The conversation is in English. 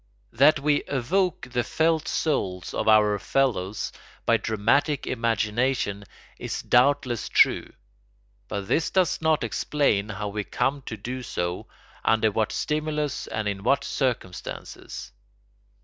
That we evoke the felt souls of our fellows by dramatic imagination is doubtless true; but this does not explain how we come to do so, under what stimulus and in what circumstances.